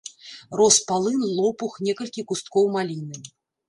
Рос палын, лопух, некалькі кусткоў маліны.